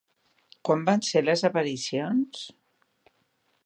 Quan van ser les aparicions?